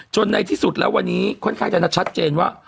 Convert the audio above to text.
ในที่สุดแล้ววันนี้ค่อนข้างจะชัดเจนว่า